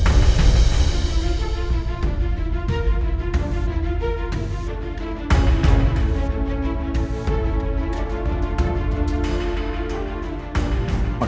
pelaku tersebut terkunci